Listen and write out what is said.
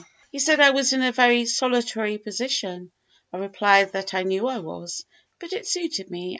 He said I was in a very solitary position. I replied that I knew I was, but it suited me.